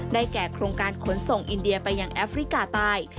แก่โครงการขนส่งอินเดียไปยังแอฟริกาใต้